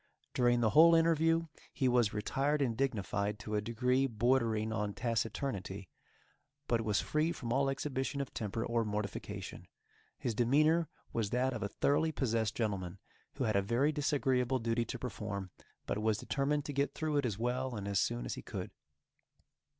During the whole interview he was retired and dignified to a degree bordering on taciturnity, but was free from all exhibition of temper or mortification. His demeanor was that of a thoroughly possessed gentleman, who had a very disagreeable duty to perform, but was determined to get through it as well and as soon as he could.